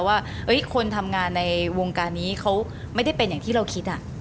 ว่าคนทำงานในวงการนี้เขาไม่ได้เป็นอย่างที่เราคิด